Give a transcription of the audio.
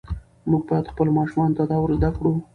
موږ باید خپلو ماشومانو ته دا ور زده کړو.